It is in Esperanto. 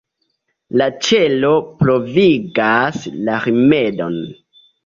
La celo pravigas la rimedon.